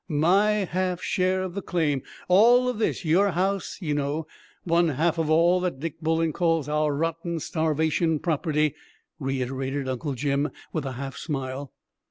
"My half share of the claim, of this yer house, you know, one half of all that Dick Bullen calls our rotten starvation property," reiterated Uncle Jim, with a half smile.